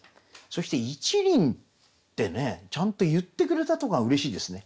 そして「一輪」ってねちゃんと言ってくれたところがうれしいですね。